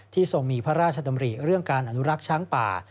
ทรงมีพระราชดำริเรื่องการอนุรักษ์ช้างป่า